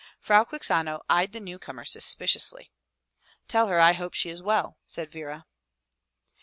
Frau Quixano eyed the newcomer suspiciously. "Tell her I hope she is well," said Vera.